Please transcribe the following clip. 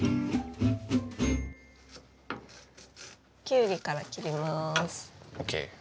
きゅうりから切ります。